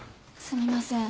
すみません。